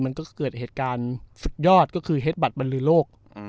มันก็เกิดเหตุการณ์สุดยอดก็คือเฮ็ดบัตรบรรลือโลก